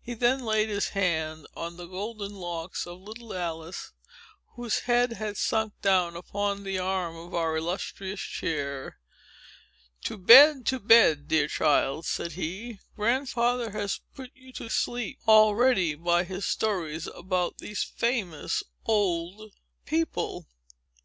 He then laid his hand on the golden locks of little Alice, whose head had sunk down upon the arm of our illustrious chair. "To bed, to bed, dear child!" said he. "Grandfather has put you to sleep, already, by his stories about these FAMOUS OLD PEOPLE!"